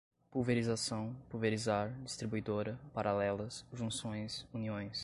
pulverização, pulverizar, distribuidora, paralelas, junções, uniões